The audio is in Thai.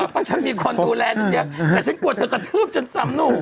เพราะฉันมีคนดูแลอย่างเงี้ยแต่ฉันกลัวเธอกระทืบฉันซ้ำหนุ่ม